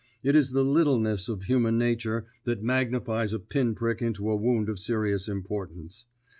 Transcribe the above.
It is the littleness of human nature that magnifies a pin prick into a wound of serious importance.